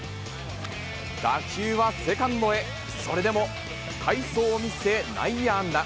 打球はセカンドへ、それでも快走を見せ、内野安打。